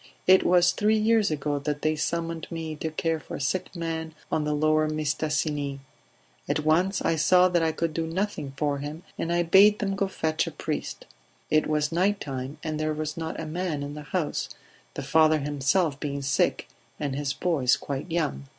It was three years ago that they summoned me to care for a sick man on the lower Mistassini; at once I saw that I could do nothing for him, and I bade them go fetch a priest. It was night time and there was not a man in the house, the father himself being sick and his boys quite young.